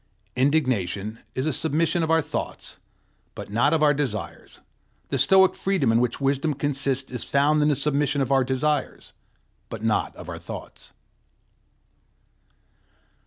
Indignation is a submission of our thoughts, but not of our desires; the Stoic freedom in which wisdom consists is found in the submission of our desires, but not of our thoughts.